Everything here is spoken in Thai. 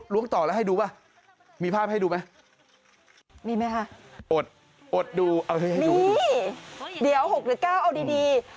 ล้วงต่อแล้วให้ดูป่ะมีภาพให้ดูมั้ยมีมั้ยฮะอดดูมีเดี๋ยว๖หรือ๙เอาดี